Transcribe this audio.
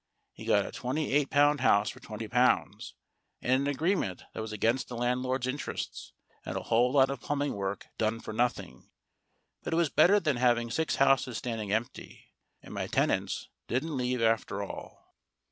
He got a twenty eight pound house for twenty pounds, and an agreement that was against the landlord's interests, and a whole lot of plumbing work done for nothing. But it was better than having six houses standing empty ; and my tenants didn't leave after all.